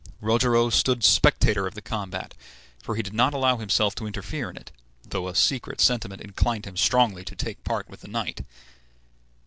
Rogero stood spectator of the combat, for he did not allow himself to interfere in it, though a secret sentiment inclined him strongly to take part with the knight.